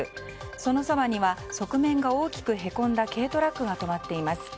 そのそばには、側面が大きくへこんだ軽トラックが止まっています。